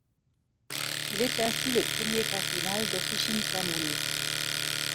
Il est ainsi le premier cardinal d'origine Tamoule.